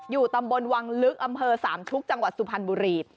อยู่ตำบลวังลึกอำเภอสามชุกจังหวัดสุพรรณบุรี